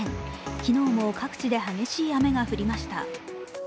昨日も各地で激しい雨が降りました。